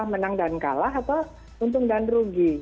menang dan kalah atau untung dan rugi